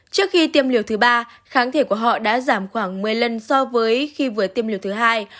trước khi tiêm liều thứ ba kháng thể của họ đã giảm khoảng một mươi lần so với khi vừa tiêm liều thứ hai